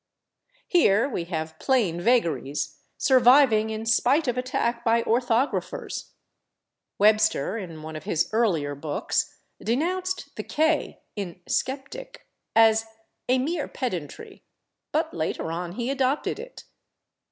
Here we have plain vagaries, surviving in spite of attack by orthographers. Webster, in one of his earlier books, denounced the /k/ in /skeptic/ as "a mere pedantry," but later on he adopted it.